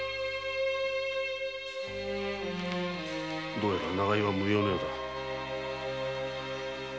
どうやら長居は無用のようだ。